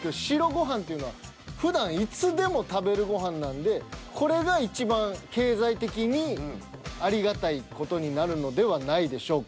ご飯っていうのはふだんいつでも食べるご飯なんでこれがいちばん経済的にありがたい事になるのではないでしょうか。